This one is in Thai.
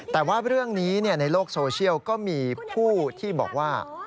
แต่ว่าเรื่องนี้ในโลกโซเชียลก็มีผู้ที่บอกว่า